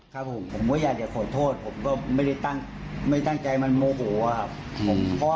ครับผมผมก็อยากจะขอโทษผมก็ไม่ได้ตั้งไม่ตั้งใจมันโมโหครับงง